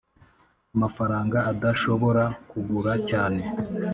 amafaranga adashobora kugura cyane